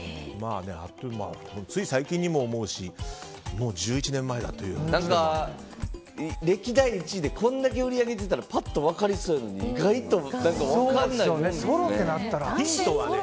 つい最近にも思うしもう１１年前だという歴代１位でこれだけ売り上げてたらパッと分かりそうやのに意外と分からないもんですね。